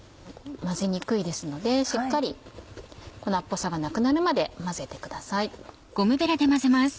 混ぜにくいですのでしっかり粉っぽさがなくなるまで混ぜてください。